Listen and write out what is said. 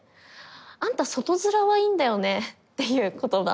あんた外面はいいんだよねっていう言葉。